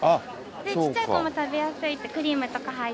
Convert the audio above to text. ちっちゃい子も食べやすいクリームとか入ってて。